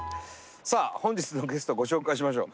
さあ本日のゲストをご紹介しましょう。